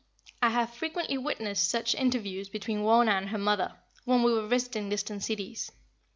I have frequently witnessed such interviews between Wauna and her mother, when we were visiting distant cities.